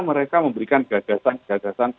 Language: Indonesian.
mereka memberikan gagasan gagasan